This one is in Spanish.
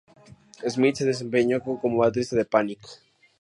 Smith se desempeñó como baterista de Panic!